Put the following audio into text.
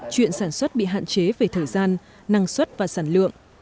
chuyện sản xuất bị hạn chế về thời gian năng suất và sản lượng